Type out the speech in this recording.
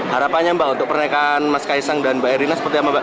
harapannya mbak untuk pernikahan mas kaisang dan mbak erina seperti apa mbak